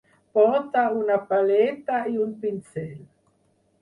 Porta una paleta i un pinzell.